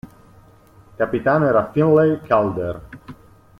Capitano era Finlay Calder.